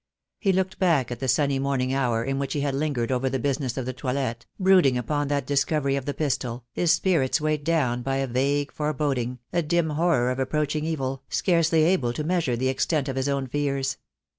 He looked back at the sunny morning hour in which he had lingered over the business of the toilet, brooding upon that discovery of the pistol, his spirits weighed down by a vague foreboding, a dim horror of approaching evil, scarcely able to measure the extent of his own fears.